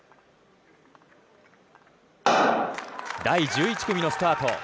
第１１組のスタート。